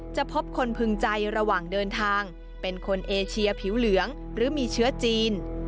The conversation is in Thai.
พบคนพึงใจระหว่างเดินทางเป็นคนเอเชียผิวเหลืองหรือมีเชื้อจีน